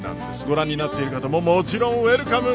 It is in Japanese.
ご覧になっている方ももちろんウェルカム！